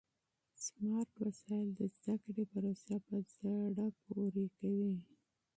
سمارټ وسایل د زده کړې پروسه په زړه پورې کوي.